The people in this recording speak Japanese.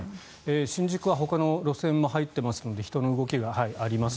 新宿はほかの路線も入っていますので人の動きがあります。